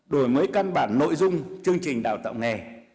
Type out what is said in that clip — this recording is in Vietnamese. đổi mới căn bản nội dung chương trình đào tạo nghề